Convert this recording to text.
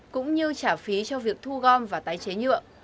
cũng như trả phí cho việc thu gom và tái chế nhựa